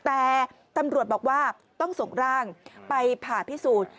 แต่ตำรวจบอกว่าต้องส่งร่างไปผ่าพิสูจน์